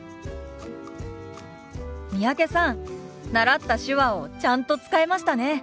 三宅さん習った手話をちゃんと使えましたね。